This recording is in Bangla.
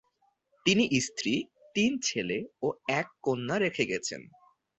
তিনি স্ত্রী, তিন ছেলে ও এক কন্যা রেখে গেছেন।